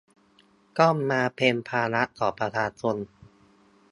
ต้องมาเป็นภาระของประชาชน